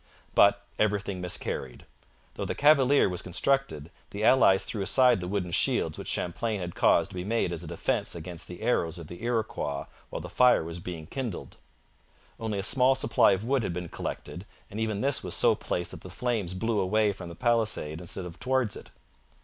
But everything miscarried. Though the cavalier was constructed, the allies threw aside the wooden shields which Champlain had caused to be made as a defence against the arrows of the Iroquois while the fire was being kindled. Only a small supply of wood had been collected, and even this was so placed that the flames blew away from the palisade instead of towards it.